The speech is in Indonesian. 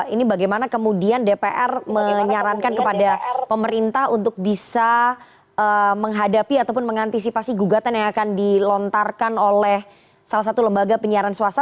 ini bagaimana kemudian dpr menyarankan kepada pemerintah untuk bisa menghadapi ataupun mengantisipasi gugatan yang akan dilontarkan oleh salah satu lembaga penyiaran swasta